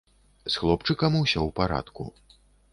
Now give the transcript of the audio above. З хлопчыкам усё ў парадку.